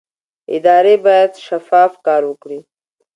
ادارې باید شفاف کار وکړي